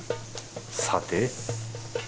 さて。